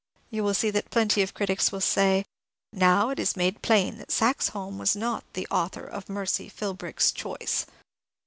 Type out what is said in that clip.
You will see that plenty of the critics will say :*^ Now it is made plain that Saxe Holm was not the author of ' Mercy Philbrick's Choice.'